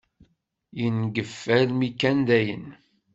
Yengef almi kan dayen.